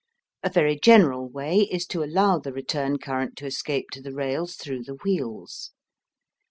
A very general way is to allow the return current to escape to the rails through the wheels.